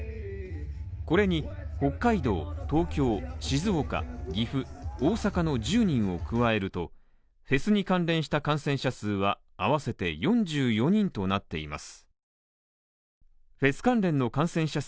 これに北海道、東京、静岡、岐阜、大阪の１０人を加えると、フェスに関連した感染者数は合わせて４４人となっています。